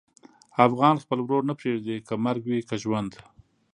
افغان خپل ورور نه پرېږدي، که مرګ وي که ژوند.